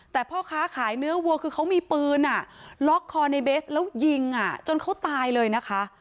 แต่พ่อค้าขายเนื้อวัวคือเขามีปืนล็อกคอในเบสแล้วยิงจนเขาตายเลยนะคะ